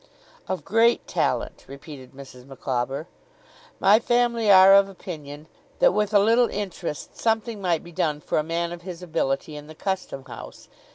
'Of great talent,' repeated Mrs. Micawber. 'My family are of opinion, that, with a little interest, something might be done for a man of his ability in the Custom House.